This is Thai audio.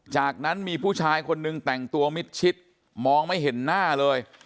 จากนั้นมีผู้ชายคนนึงแต่งตัวมิดชิดมองไม่เห็นหน้าเลย